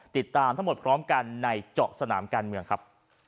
ติดตามทั้งหมดพร้อมกันในเจาะสนามการเมืองครับ